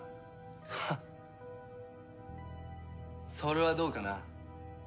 ハッそれはどうかな。